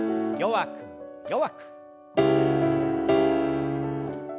弱く弱く。